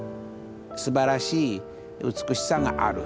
すばらしい美しさがある。